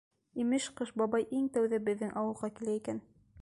Имеш, Ҡыш бабай иң тәүҙә беҙҙең ауылға килә икән.